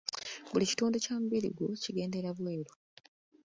Buli kitundu kya mubiri gwo kigendera bwelu.